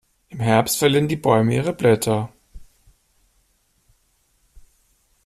Im Herbst verlieren die Bäume ihre Blätter.